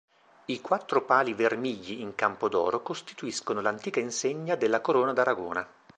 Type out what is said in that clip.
I quattro pali vermigli in campo d'oro costituiscono l'antica insegna della Corona d'Aragona.